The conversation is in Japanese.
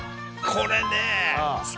これねぇ。